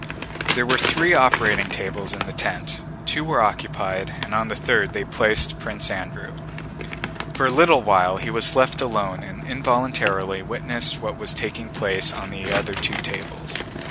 There were three operating tables in the tent. Two were occupied, and on the third they placed Prince Andrew. For a little while he was left alone and involuntarily witnessed what was taking place on the other two tables.